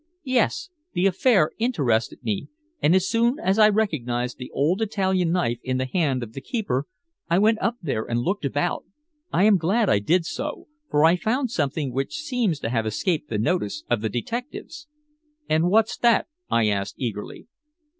"Yes. The affair interested me, and as soon as I recognized the old Italian knife in the hand of the keeper, I went up there and looked about. I am glad I did so, for I found something which seems to have escaped the notice of the detectives." "And what's that?" I asked eagerly.